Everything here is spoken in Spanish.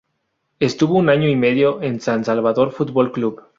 Estuvo un año y medio en San Salvador Fútbol Club.